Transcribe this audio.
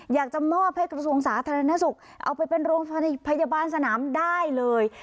อยากจะมอบให้กระทรวงสาธารณสุขเอาไปเป็นโรงพยาบาลสนามได้เลย